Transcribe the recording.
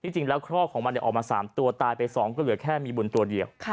จริงแล้วครอกของมันออกมา๓ตัวตายไป๒ก็เหลือแค่มีบุญตัวเดียว